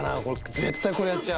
絶対これやっちゃう。